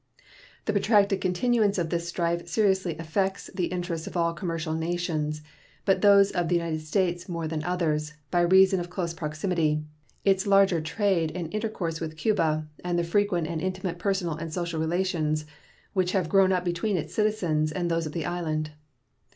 The protracted continuance of this strife seriously affects the interests of all commercial nations, but those of the United States more than others, by reason of close proximity, its larger trade and intercourse with Cuba, and the frequent and intimate personal and social relations which have grown up between its citizens and those of the island.